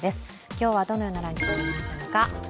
今日はどのようなランキングになったのか。